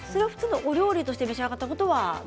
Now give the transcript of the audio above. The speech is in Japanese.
お料理として召し上がったことは？